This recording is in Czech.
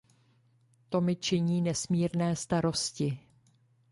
To mi činí nesmírné starosti.